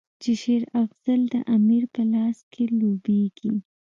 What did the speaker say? چې شېر افضل د امیر په لاس کې لوبیږي.